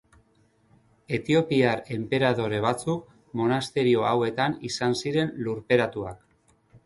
Etiopiar enperadore batzuk monasterio hauetan izan ziren lurperatuak.